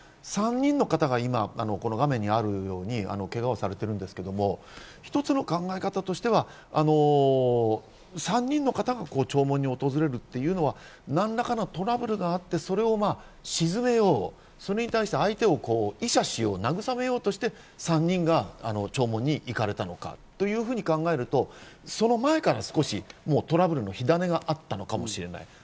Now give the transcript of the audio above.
３人の方が今、画面にあるようにケガをされているんですけど、一つの考え方としては３人の方が弔問に訪れるというのは何らかのトラブルがあって、それを鎮めよう、それに対して相手を慰めようとして３人が弔問に行かれたのかというふうに考えると、その前から少しトラブルの火種があったのかもしれない。